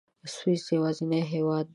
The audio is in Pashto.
سویس یوازینی هېواد دی.